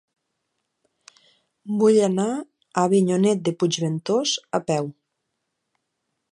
Vull anar a Avinyonet de Puigventós a peu.